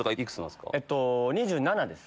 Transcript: ２７です。